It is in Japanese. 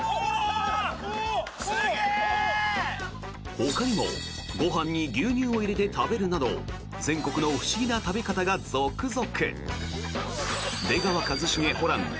ほかにもご飯に牛乳を入れて食べるなど全国の不思議な食べ方が続々。